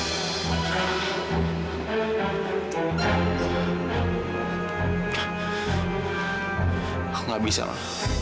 aku tidak bisa ma